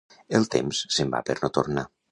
El temps se'n va per no tornar.